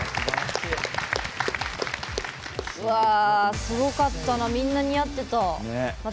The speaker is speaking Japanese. うわすごかったなみんな似合ってた。